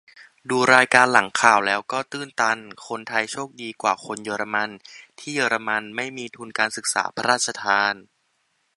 ดูรายการหลังข่าวแล้วก็ตื้นตัน คนไทยโชคดีกว่าคนเยอรมัน ที่เยอรมนีไม่มีทุนการศึกษาพระราชทาน